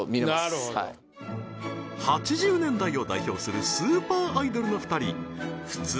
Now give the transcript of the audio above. なるほど８０年代を代表するスーパーアイドルの２人普通